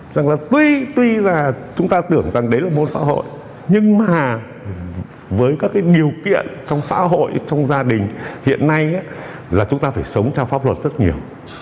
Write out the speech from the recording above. rằng là tuy tuy là chúng ta tưởng rằng đấy là một xã hội nhưng mà với các cái điều kiện trong xã hội trong gia đình hiện nay là chúng ta phải sống theo pháp luật rất nhiều